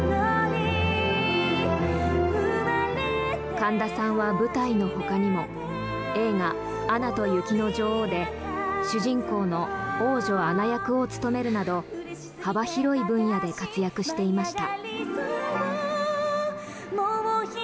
神田さんは舞台のほかにも映画「アナと雪の女王」で主人公の王女・アナ役を務めるなど幅広い分野で活躍していました。